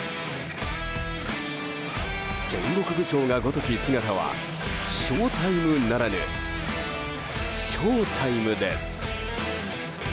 戦国武将がごとき姿はショウタイムならぬ将タイムです。